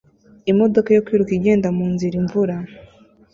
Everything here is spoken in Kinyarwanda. Imodoka yo kwiruka igenda munzira imvura